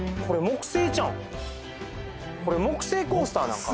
これ木製コースターなんかな？